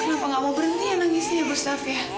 kenapa gak mau berhenti ya nangisnya ya bustaf ya